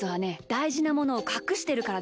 だいじなものをかくしてるからです。